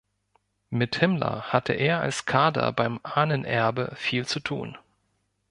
Mit Himmler hatte er als Kader beim Ahnenerbe viel zu tun.